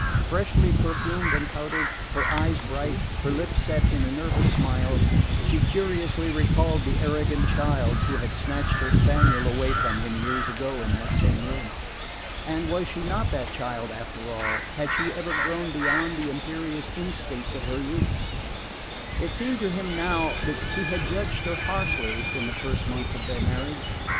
Freshly perfumed and powdered, her eyes bright, her lips set in a nervous smile, she curiously recalled the arrogant child who had snatched her spaniel away from him years ago in that same room. And was she not that child, after all? Had she ever grown beyond the imperious instincts of her youth? It seemed to him now that he had judged her harshly in the first months of their marriage.